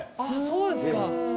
あっそうですか。